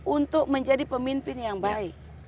untuk menjadi pemimpin yang baik